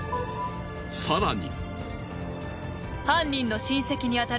更に。